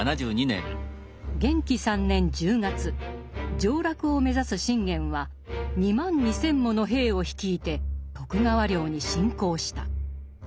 元亀３年１０月上洛を目指す信玄は２万２，０００もの兵を率いて徳川領に侵攻した。